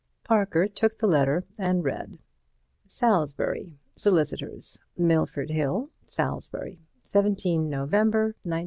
Parker took the letter and read: Salisbury. Solicitors MILFORD HILL, SALISBURY 17 November, 192—.